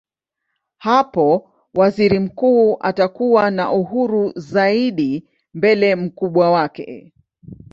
Hapo waziri mkuu atakuwa na uhuru zaidi mbele mkubwa wake.